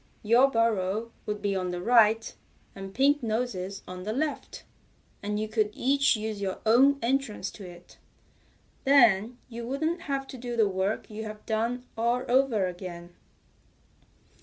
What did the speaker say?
"Your burrow would be on the right, and Pink Nose's on the left, and you could each use your own entrance to it. Then you wouldn't have to do the work you've done all over again."